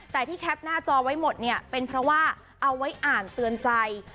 แต่ที่แคปหน้าจอไว้หมดเนี่ยเป็นเพราะว่าเอาไว้อ่านเตือนใจ